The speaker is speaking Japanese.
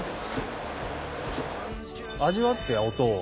味わって音を。